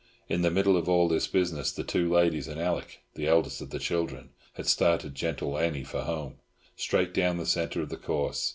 In the middle of all this business, the two ladies and Alick, the eldest of the children, had started Gentle Annie for home, straight down the centre of the course.